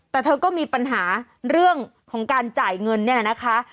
แต่เธอก็มีปัญหาเรื่องของการจ่ายเงินนี่แหละนะคะ